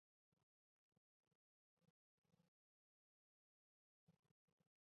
不漏水较理想。